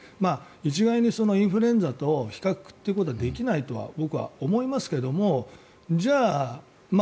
一概にインフルエンザと比較ということはできないと僕は思いますが。